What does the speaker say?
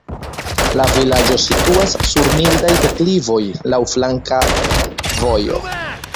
La vilaĝo situas sur mildaj deklivoj, laŭ flanka vojoj.